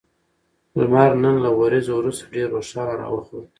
لمر نن له وريځو وروسته ډېر روښانه راوخوت